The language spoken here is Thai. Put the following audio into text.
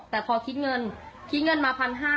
แต่พอคิดเงินคิดเงินมา๑๕๐๐